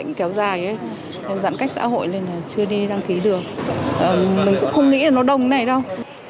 mình cũng không nghĩ là nó đông như thế này đâu